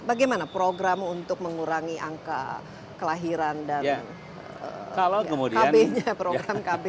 bagaimana program untuk mengurangi angka kelahiran dan program kb